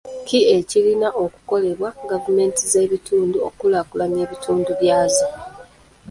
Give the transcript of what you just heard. Ki ekirina okukolebwa gavumenti z'ebitundu okukulaakulanya ebitundu byazo.